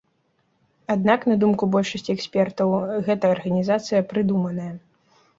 Аднак, на думку большасці экспертаў, гэта арганізацыя прыдуманая.